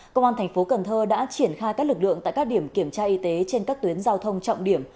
công an thành phố cần thơ đã triển khai các lực lượng tại các điểm kiểm tra y tế trên các tuyến giao thông trọng điểm